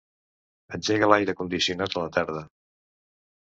Engega l'aire condicionat a la tarda.